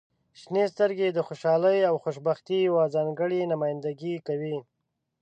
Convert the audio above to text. • شنې سترګې د خوشحالۍ او خوشبختۍ یوه ځانګړې نمایندګي کوي.